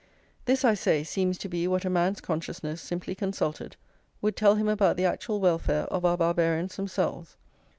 This, I say, seems to be what a man's consciousness, simply consulted, would tell him about the actual welfare of our Barbarians themselves.